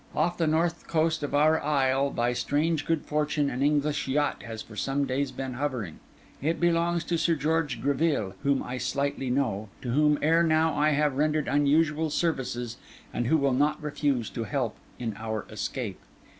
Off the north coast of our isle, by strange good fortune, an English yacht has for some days been hovering. It belongs to Sir George Greville, whom I slightly know, to whom ere now I have rendered unusual services, and who will not refuse to help in our escape.